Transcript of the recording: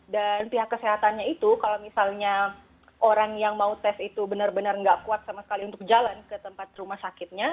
dan pihak kesehatannya itu kalau misalnya orang yang mau tes itu benar benar nggak kuat sama sekali untuk jalan ke tempat rumah sakitnya